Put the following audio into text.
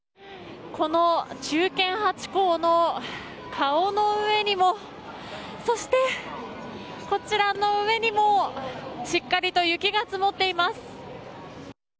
この忠犬ハチ公の顔の上にもそして、こちらの上にもしっかりと雪が積もっています。